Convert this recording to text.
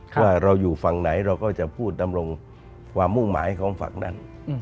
ว่าเราอยู่ฝั่งไหนเราก็จะพูดดำรงความมุ่งหมายของฝั่งนั้น